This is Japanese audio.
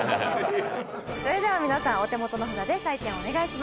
それでは皆さんお手元の札で採点お願いします。